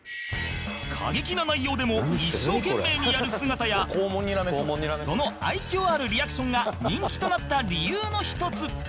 過激な内容でも一生懸命にやる姿やその愛嬌あるリアクションが人気となった理由の１つ